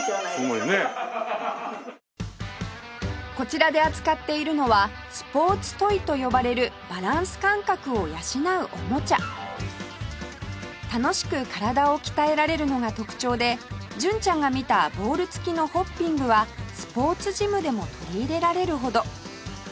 こちらで扱っているのはスポーツトイと呼ばれるバランス感覚を養うおもちゃ楽しく体を鍛えられるのが特徴で純ちゃんが見たボール付きのホッピングはスポーツジムでも取り入れられるほど